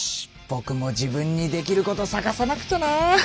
ぼくも自分にできることさがさなくちゃな。